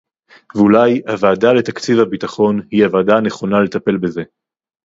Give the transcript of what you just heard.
ואולי הוועדה לתקציב הביטחון היא הוועדה הנכונה לטפל בזה